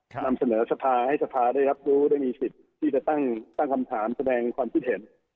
นำเสนอสภาให้สภาได้รับรู้ได้มีสิทธิ์ที่จะตั้งคำถามแสดงความคิดเห็น